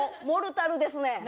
モルタルですね。